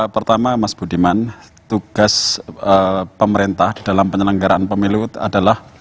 pertama mas budiman tugas pemerintah di dalam penyelenggaraan pemilu adalah